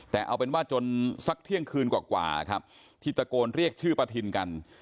แต่เอาเป็นว่าจนสักเที่ยงคืนกว่าครับที่ตะโกนเรียกชื่อประทินกัน